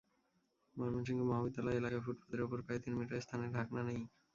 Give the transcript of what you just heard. ময়মনসিংহ মহাবিদ্যালয় এলাকায় ফুটপাতের ওপর প্রায় তিন মিটার স্থানে ঢাকনা নেই।